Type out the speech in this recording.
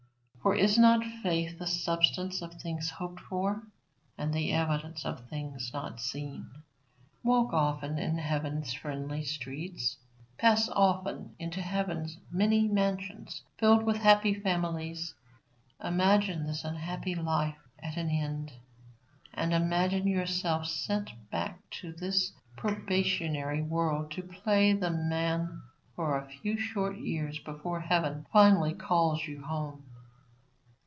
For is not faith the substance of things hoped for, and the evidence of things not seen? Walk often in heaven's friendly streets. Pass often into heaven's many mansions filled with happy families. Imagine this unhappy life at an end, and imagine yourself sent back to this probationary world to play the man for a few short years before heaven finally calls you home.